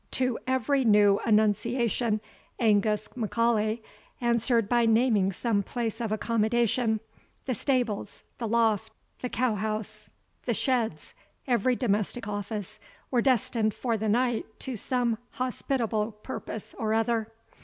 To every new annunciation, Angus M'Aulay answered by naming some place of accommodation, the stables, the loft, the cow house, the sheds, every domestic office, were destined for the night to some hospitable purpose or other.